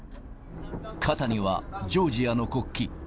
肩にはジョージアの国旗。